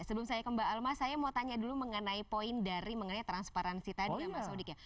sebelum saya kembali saya mau tanya dulu mengenai poin dari mengenai transparansi tadi ya mas udik